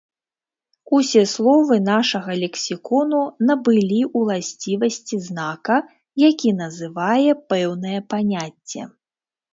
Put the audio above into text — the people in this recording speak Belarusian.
Усе словы нашага лексікону набылі ўласцівасці знака, які называе пэўнае паняцце.